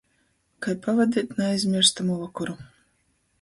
Kai pavadeit naaizmierstamu vokoru?